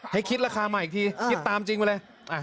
ให้คิดราคาใหม่อีกทีคิดตามจริงไปเลย